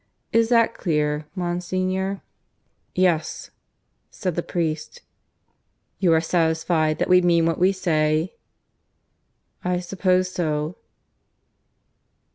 Is that clear, Monsignor?" "Yes," said the priest. "You are satisfied that we mean what we say?" "I suppose so."